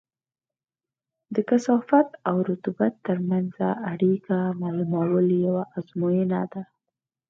د کثافت او رطوبت ترمنځ اړیکه معلومول یوه ازموینه ده